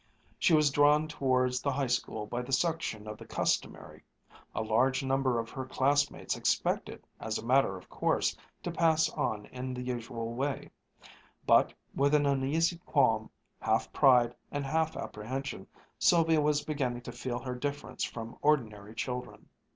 She was drawn towards the High School by the suction of the customary. A large number of her classmates expected as a matter of course to pass on in the usual way; but, with an uneasy qualm, half pride and half apprehension, Sylvia was beginning to feel her difference from ordinary children.